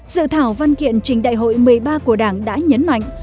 dự thảo văn kiện trình đại hội một mươi ba của đảng đã nhấn mạnh